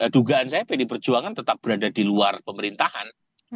dugaan saya pd perjuangan tetap berada di luar pemerintahan